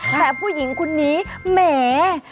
แต่ผู้หญิงคนนี้แหม